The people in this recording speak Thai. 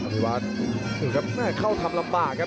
อภิวัตถูกครับแน่เข้าทำลำบากครับ